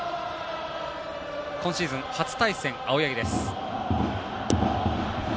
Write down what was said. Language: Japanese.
今シーズン初対戦、青柳です。